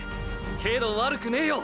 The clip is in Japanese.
けど悪くねェよ！！